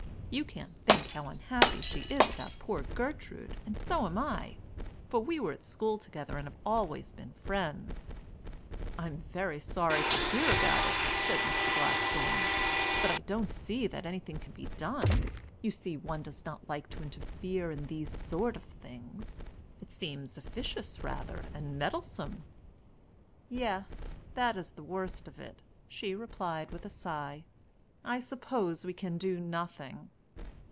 You can't think how unhappy she is about poor Gertrude, and so am I, for we were at school together and have always been friends." "I am very sorry to hear about it," said Mr. Blackthorne, "but I don't see that anything can be done. You see, one does not like to interfere in these sort of things. It seems officious rather, and meddlesome." "Yes, that is the worst of it," she replied, with a sigh. "I suppose we can do nothing.